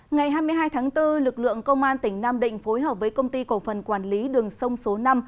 ngày hai mươi hai tháng bốn lực lượng công an tỉnh nam định phối hợp với công ty cổ phần quản lý đường sông số năm